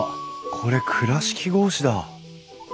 これ倉敷格子だ。